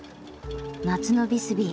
夏のビスビー